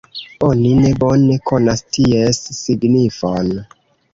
Oni ne bone konas ties signifon.